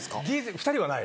２人はない。